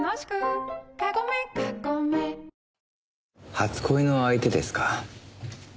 初恋の相手ですか。